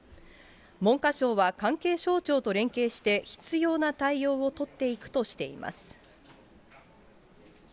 文科省は関係省庁と連携して、必要な対応を取っていくとしています。